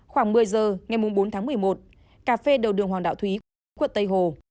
khoảng một mươi h ngày bốn tháng một mươi một cà phê đầu đường hoàng đạo thúy quận tây hồ